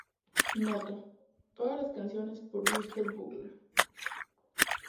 Nota: Todas las canciones por Mr.Bungle.